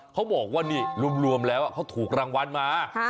เขาบอกว่านี่รวมแล้วเขาถูกรางวัลมา